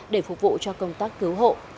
để phục vụ cho công tác cứu hộ